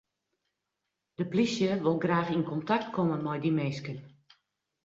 De plysje wol graach yn kontakt komme mei dy minsken.